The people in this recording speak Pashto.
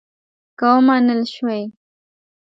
که ومنل شوې.